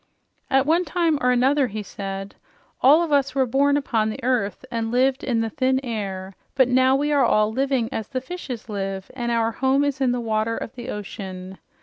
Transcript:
"At one time or another," he said, "all of us were born upon the earth and lived in the thin air, but now we are all living as the fishes live, and our home is in the water of the ocean.